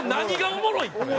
おもろいよ。